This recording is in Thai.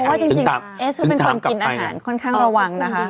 เพราะว่าจริงเอสเขาเป็นคนกินอาหารค่อนข้างระวังนะคะ